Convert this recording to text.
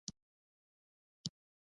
_نوي خو نه يو راغلي، باز مير.